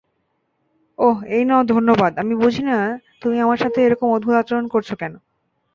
ওহ এই নাও ধন্যবাদ আমি বুঝিনা তুমি আমার সাথে এরকম অদ্ভুত আচরণ করছো কেন?